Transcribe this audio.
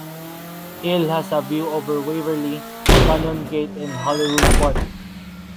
Il has a view over Waverley, Canongate and Holyrood Park.